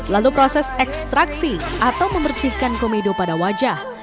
lalu proses ekstraksi atau membersihkan komedo pada wajah